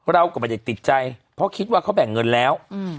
เราก็ไม่ได้ติดใจเพราะคิดว่าเขาแบ่งเงินแล้ว